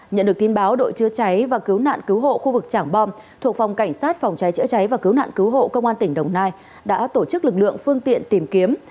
nhận được tin báo đội chữa cháy và cứu nạn cứu hộ khu vực trảng bom thuộc phòng cảnh sát phòng cháy chữa cháy và cứu nạn cứu hộ công an tỉnh đồng nai đã tổ chức lực lượng phương tiện tìm kiếm